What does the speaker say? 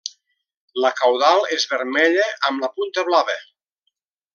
La caudal és vermella amb la punta blava.